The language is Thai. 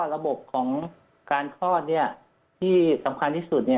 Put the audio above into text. ระบบของการคลอดที่สำคัญที่สุด